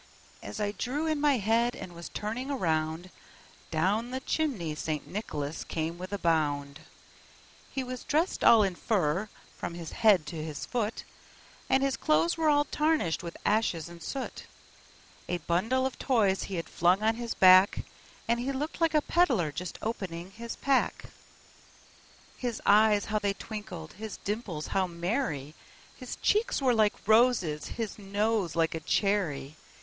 As I drew in my head, and was turning around, Down the chimney St. Nicholas came with a bound. He was dressed all in fur, from his head to his foot, And his clothes were all tarnished with ashes and soot; A bundle of Toys he had flung on his back, And he looked like a peddler just opening his pack. His eyes how they twinkled! his dimples how merry! His cheeks were like roses, his nose like a cherry!